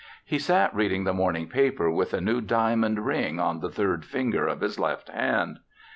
He sat reading the morning paper with a new diamond ring on the third finger of his left hand.